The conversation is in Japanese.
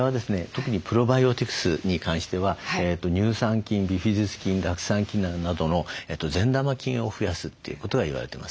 特にプロバイオティクスに関しては乳酸菌ビフィズス菌酪酸菌などの善玉菌を増やすということが言われてます。